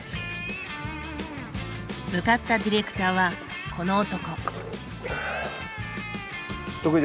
向かったディレクターはこの男。